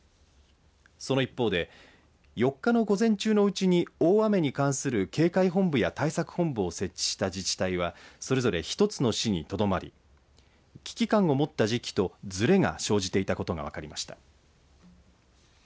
その一方で４日の午前中のうちに大雨に関する警戒本部や対策本部を設置した自治体はそれぞれ１つの市にとどまり危機感を持った時期とずれが生じていたことが分かりました。